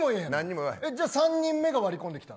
じゃあ３人目が割り込んできたら。